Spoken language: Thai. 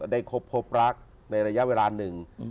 คบรักในระยะเวลาหนึ่ง